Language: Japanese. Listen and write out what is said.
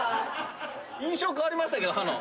印象変わりましたけど歯の。